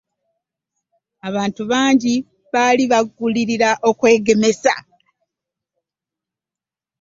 abantu bangi baali bagulirira okwegemesa.